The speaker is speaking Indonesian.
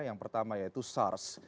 yang pertama yaitu sars